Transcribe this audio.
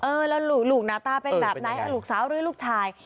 แล้วลูกหน้าตาเป็นแบบไหนลูกสาวหรือลูกชาย